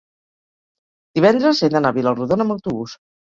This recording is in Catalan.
divendres he d'anar a Vila-rodona amb autobús.